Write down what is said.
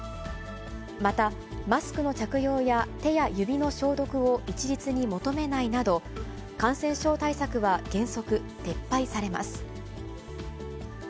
また、マスクの着用や手や指の消毒を一律に求めないなど、感染症対策は原則撤廃されます。